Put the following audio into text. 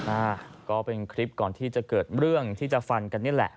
อ่าก็เป็นคลิปก่อนที่จะเกิดเรื่องที่จะฟันกันนี่แหละ